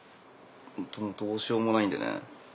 どうしようもないんでね。